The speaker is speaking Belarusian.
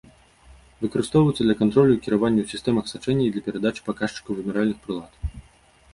Выкарыстоўваюцца для кантролю і кіравання ў сістэмах сачэння і для перадачы паказчыкаў вымяральных прылад.